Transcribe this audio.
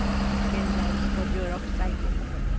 現在５６歳という事で。